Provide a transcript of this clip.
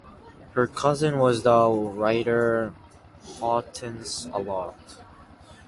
Her cousin was the writer Hortense Allart.